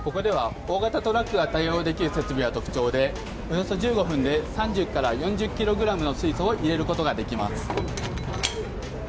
ここでは、大型トラックが対応できる設備が特徴でおよそ１５分で３０ｋｇから４０ｋｇの水素を入れることができます。